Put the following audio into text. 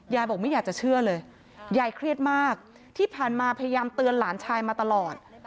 ยายบอกไม่อยากจะเชื่อเลยยายเครียดมากที่ผ่านมาพยายามเตือนหลานชายมาตลอด